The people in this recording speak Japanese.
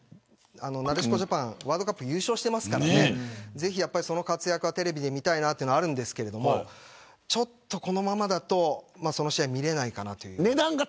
なでしこジャパンはワールドカップで優勝していますからその活躍はテレビで見たいと思いますがちょっとこのままだとその試合が見れないかな。